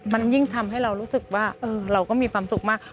มันยิ่งทำให้เรารู้สึกว่าเราก็มีความสุขมาก